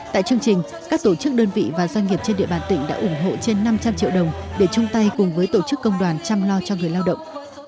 tại chương trình các tổ chức đơn vị và doanh nghiệp trên địa bàn tỉnh đã ủng hộ trên năm trăm linh triệu đồng để chung tay cùng với tổ chức công đoàn chăm lo cho người lao động